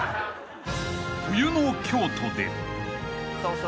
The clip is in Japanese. ［冬の京都で］